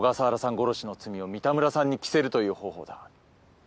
殺しの罪を三田村さんに着せるという方法だ。